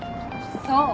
そう。